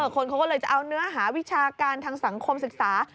คนเขาก็เลยจะเอาเนื้อหาวิชาการทางสังคมศึกษา